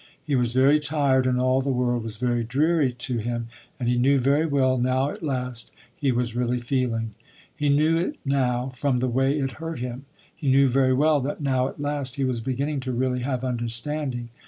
He was very tired and all the world was very dreary to him, and he knew very well now at last, he was really feeling. He knew it now from the way it hurt him. He knew very well that now at last he was beginning to really have understanding.